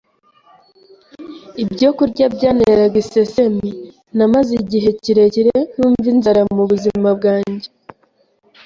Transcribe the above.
Ibyokurya byanteraga isesemi, namaze igihe kirekire ntumva inzara mu buzima bwanjye